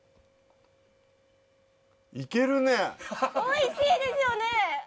おいしいですよね！